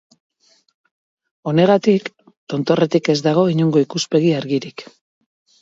Honegatik, tontorretik ez dago inongo ikuspegi argirik.